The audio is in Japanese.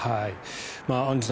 アンジュさん